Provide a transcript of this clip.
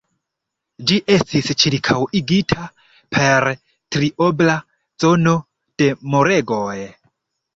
Ĝi estis ĉirkaŭigita per triobla zono de muregoj.